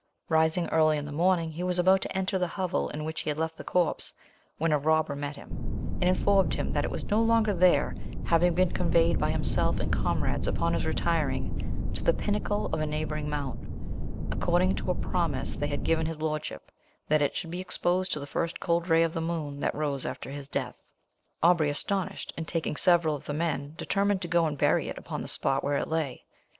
Rising early in the morning, he was about to enter the hovel in which he had left the corpse, when a robber met him, and informed him that it was no longer there, having been conveyed by himself and comrades, upon his retiring, to the pinnacle of a neighbouring mount, according to a promise they had given his lordship, that it should be exposed to the first cold ray of the moon that rose after his death. Aubrey astonished, and taking several of the men, determined to go and bury it upon the spot where it lay.